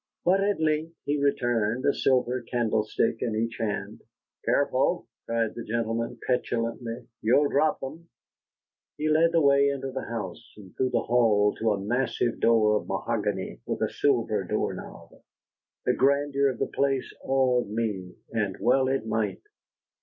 But at length he returned, a silver candlestick in each hand. "Careful," cried the gentleman, petulantly, "you'll drop them." He led the way into the house, and through the hall to a massive door of mahogany with a silver door knob. The grandeur of the place awed me, and well it might.